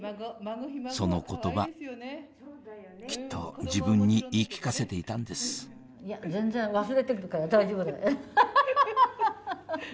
その言葉きっと自分に言い聞かせていたんです全然忘れてるから大丈夫ハハハハ！